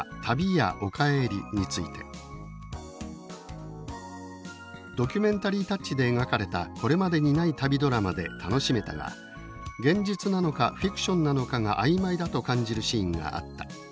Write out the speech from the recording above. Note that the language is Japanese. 「旅屋おかえり」について「ドキュメンタリータッチで描かれたこれまでにない旅ドラマで楽しめたが現実なのかフィクションなのかが曖昧だと感じるシーンがあった。